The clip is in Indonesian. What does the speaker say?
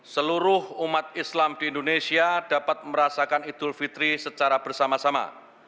seluruh umat islam di indonesia dapat merasakan idul fitri secara bersama sama